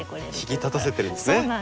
引き立たせてるんですね。